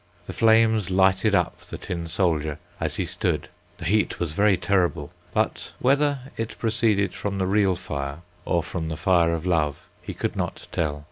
The flames lighted up the tin soldier, as he stood, the heat was very terrible, but whether it proceeded from the real fire or from the fire of love he could not tell.